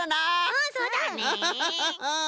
うんそうだね。